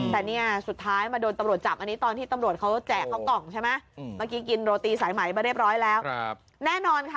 แต่นี่สุดท้ายมาโดน